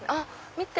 見て！